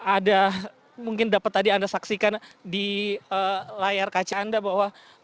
ada mungkin dapat tadi anda saksikan di layar kaca anda bahwa